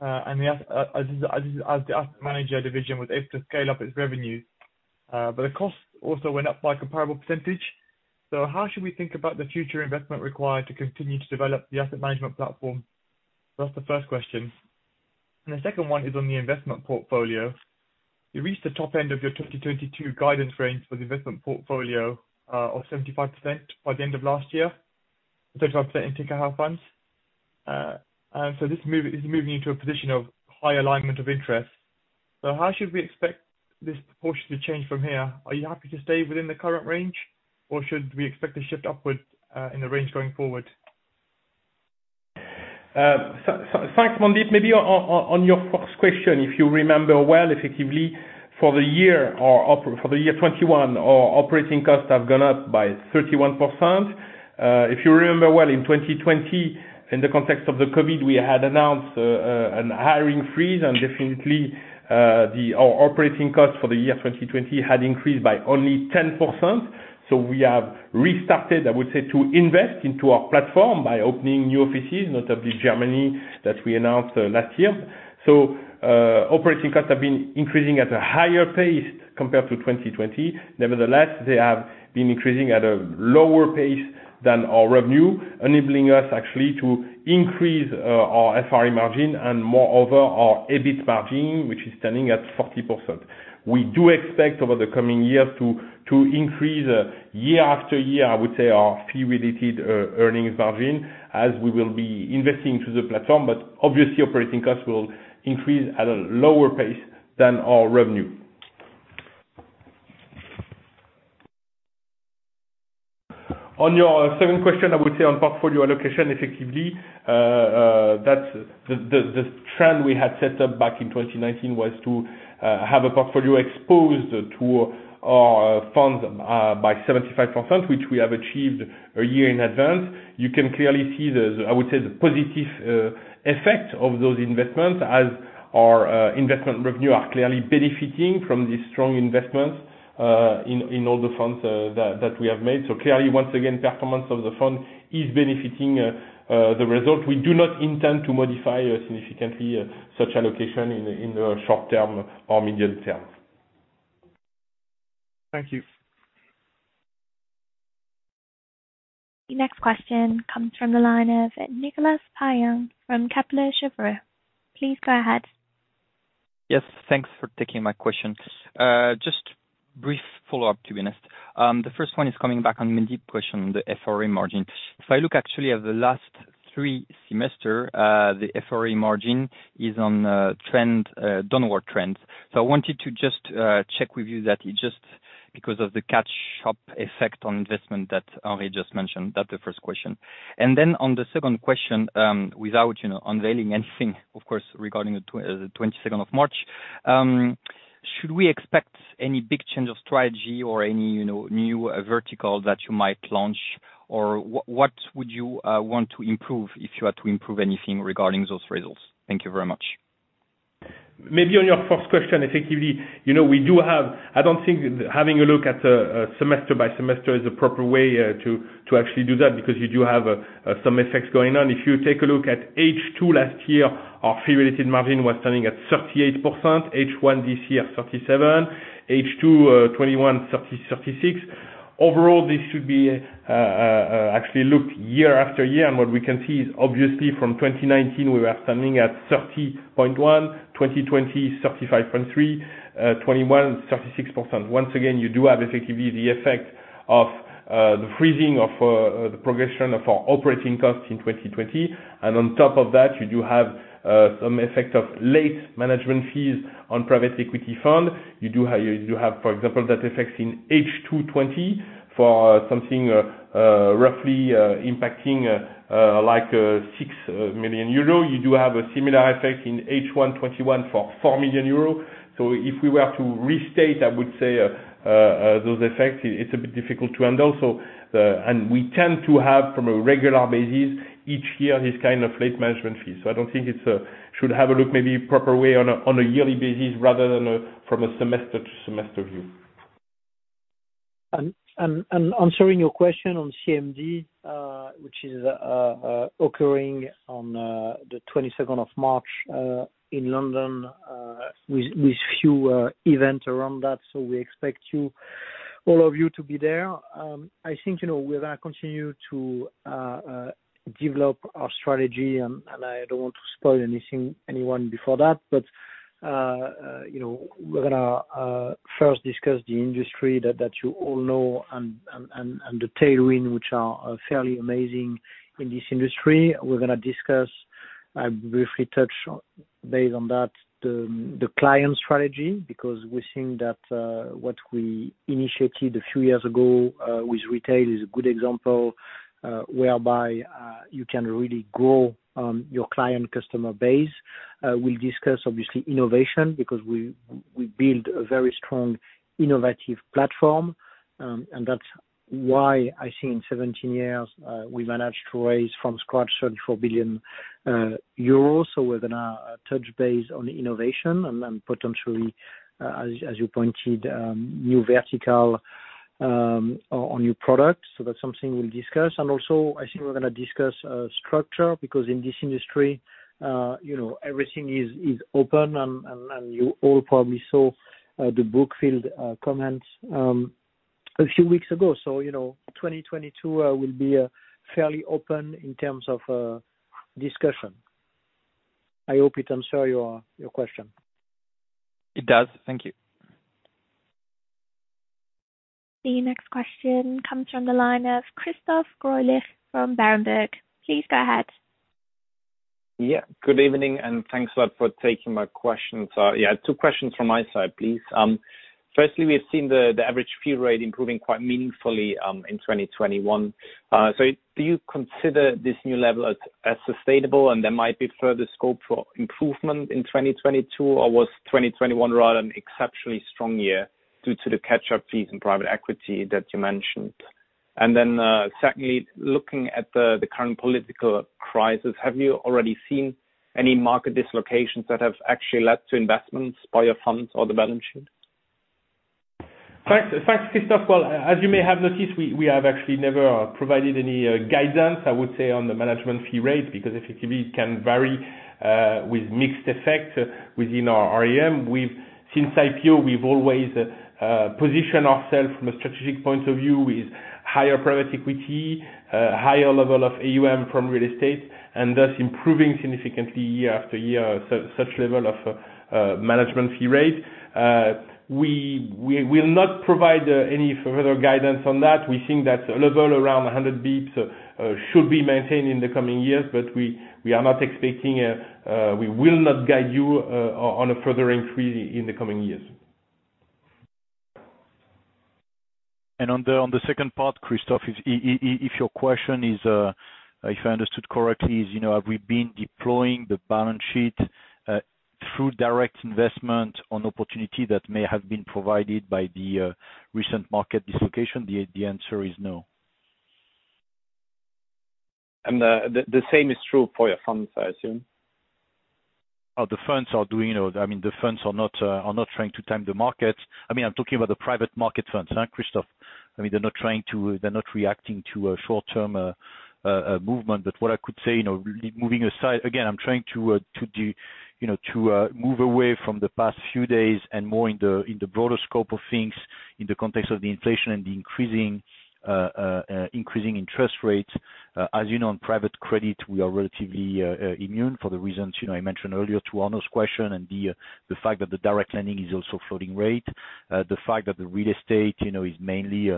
And the asset manager division was able to scale up its revenue, but the cost also went up by a comparable percentage. So how should we think about the future investment required to continue to develop the asset management platform? That's the first question. And the second one is on the investment portfolio. You reached the top end of your 2022 guidance range for the investment portfolio, of 75% by the end of last year. 35% in Tikehau funds. And so this move is moving into a position of high alignment of interest. How should we expect this proportion to change from here? Are you happy to stay within the current range, or should we expect a shift upward, in the range going forward? Thanks, Mandeep. Maybe on your first question, if you remember well, effectively for the year 2021, our operating costs have gone up by 31%. If you remember well, in 2020, in the context of the COVID, we had announced an hiring freeze and definitely our operating costs for the year 2020 had increased by only 10%. We have restarted, I would say, to invest into our platform by opening new offices, notably Germany, that we announced last year. Operating costs have been increasing at a higher pace compared to 2020. Nevertheless, they have been increasing at a lower pace than our revenue, enabling us actually to increase our FRE margin and moreover, our EBIT margin, which is standing at 40%. We do expect over the coming years to increase year after year, I would say, our fee-related earnings margin as we will be investing through the platform. Obviously, operating costs will increase at a lower pace than our revenue. On your second question, I would say on portfolio allocation effectively, that's the trend we had set up back in 2019 was to have a portfolio exposed to our funds by 75%, which we have achieved a year in advance. You can clearly see the, I would say, positive effect of those investments as our investment revenue are clearly benefiting from these strong investments in all the funds that we have made. Clearly, once again, performance of the fund is benefiting the result. We do not intend to modify significantly such allocation in the short term or medium term. Thank you. The next question comes from the line of Nicolas Payen from Kepler Cheuvreux. Please go ahead. Yes, thanks for taking my question. Just brief follow-up, to be honest. The first one is coming back on the previous question, the FRE margin. If I look actually at the last three semesters, the FRE margin is on a trend, downward trend. I wanted to just check with you that it's just because of the catch-up effect on investment that Henri just mentioned. That was the first question. Then on the second question, withou unveiling anything, of course, regarding March 22nd, should we expect any big change of strategy or any new vertical that you might launch? Or what would you want to improve if you had to improve anything regarding those results? Thank you very much. Maybe on your first question, effectively, I don't think having a look at semester by semester is the proper way to actually do that because you do have some effects going on. If you take a look at H2 last year, our fee related margin was standing at 38%, H1 this year, 37%, H2 2021, 36%. Overall, this should be actually looked year after year, and what we can see is obviously from 2019, we were standing at 30.1%, 2020, 35.3%, 2021, 36%. Once again, you do have effectively the effect of the freezing of the progression of our operating costs in 2020. On top of that, you do have some effect of late management fees on private equity fund. You do have, for example, the effects in H2 2020 for something roughly impacting like 6 million euro. You do have a similar effect in H1 2021 for 4 million euro. If we were to restate, I would say those effects, it's a bit difficult to handle. We tend to have on a regular basis each year this kind of late management fee. I don't think it's we should have a look maybe at the proper way on a yearly basis rather than from a semester to semester view. Answering your question on CMD, which is occurring on March 22nd in London with few events around that. We expect you all to be there. I think, you know, we're gonna continue to develop our strategy, and I don't want to spoil anything, anyone before that. We're gonna first discuss the industry that you all know and the tailwind, which are fairly amazing in this industry. We're gonna discuss and briefly touch based on that, the client strategy, because we think that what we initiated a few years ago with retail is a good example, whereby you can really grow your client customer base. We'll discuss obviously innovation because we build a very strong innovative platform, and that's why I think in 17 years, we managed to raise from scratch 34 billion euros. We're gonna touch base on innovation and then potentially, as you pointed, new vertical on new products. That's something we'll discuss. Also, I think we're gonna discuss structure because in this industry, everything is open and you all probably saw the Brookfield comments a few weeks ago. You know, 2022 will be fairly open in terms of discussion. I hope it answer your question. It does. Thank you. The next question comes from the line of Christoph Greulich from Berenberg. Please go ahead. Yeah. Good evening, and thanks a lot for taking my question. Yeah, two questions from my side, please. Firstly, we have seen the average fee rate improving quite meaningfully in 2021. So do you consider this new level as sustainable and there might be further scope for improvement in 2022? Or was 2021 rather an exceptionally strong year due to the catch-up fees in private equity that you mentioned? And then, secondly, looking at the current political crisis, have you already seen any market dislocations that have actually led to investments by your funds or the balance sheet? First, Christoph. Well, as you may have noticed, we have actually never provided any guidance, I would say, on the management fee rate, because effectively it can vary with mixed effect within our AUM. Since IPO, we've always position ourselves from a strategic point of view with higher private equity, a higher level of AUM from real estate, and thus improving significantly year after year such level of management fee rate. We will not provide any further guidance on that. We think that a level around 100 basis points should be maintained in the coming years, but we are not expecting, we will not guide you on a further increase in the coming years. On the second part, Christoph, if your question is, if I understood correctly, have we been deploying the balance sheet through direct investment in opportunities that may have been provided by the recent market dislocation? The answer is no. The same is true for your funds, I assume? The funds are not trying to time the market. I mean, I'm talking about the private market funds, Christoph. I mean, they're not reacting to a short-term movement. What I could say, leaving aside, again, I'm trying to move away from the past few days and more in the broader scope of things in the context of the inflation and the increasing interest rates. As you know, in private credit we are relatively immune for the reasons, I mentioned earlier to Arnaud's question and the fact that the direct lending is also floating rate. The fact that the real estate is mainly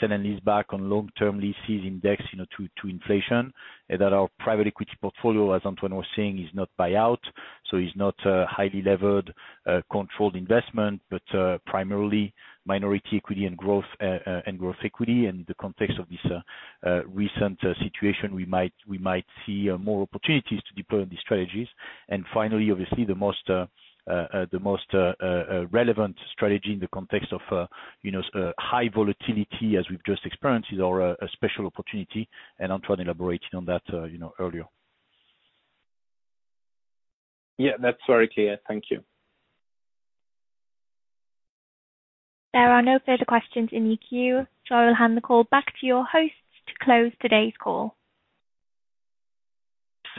sale-leaseback on long-term leases indexed to inflation. That our private equity portfolio, as Antoine was saying, is not buyout, so it's not highly levered controlled investment. Primarily minority equity and growth and growth equity in the context of this recent situation, we might see more opportunities to deploy on these strategies. Finally, obviously, the most relevant strategy in the context of high volatility as we've just experienced is our Special Opportunities, and Antoine elaborated on that earlier. Yeah. That's very clear. Thank you. There are no further questions in the queue, so I will hand the call back to your host to close today's call.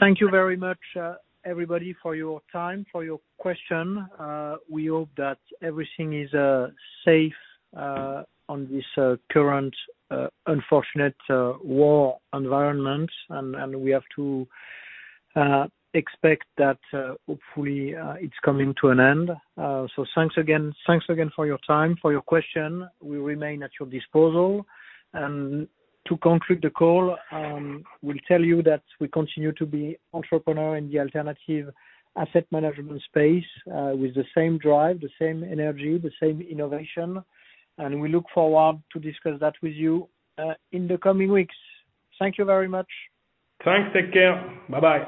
Thank you very much, everybody for your time, for your question. We hope that everything is safe on this current unfortunate war environment. We have to expect that, hopefully, it's coming to an end. Thanks again for your time, for your question. We remain at your disposal. To conclude the call, we'll tell you that we continue to be entrepreneur in the alternative asset management space with the same drive, the same energy, the same innovation. We look forward to discuss that with you in the coming weeks. Thank you very much. Thanks. Take care. Bye-bye.